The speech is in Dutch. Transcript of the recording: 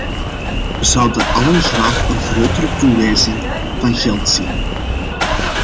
We zouden allen graag een grotere toewijzing van geld zien.